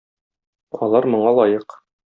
Алар моңа лаек.